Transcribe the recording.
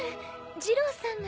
耳郎さんが。